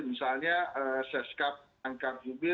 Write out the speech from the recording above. misalnya sescap merangkap jubir